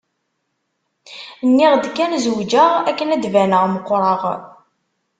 Nniɣ-d kan zewǧeɣ akken ad d-baneɣ meqqreɣ.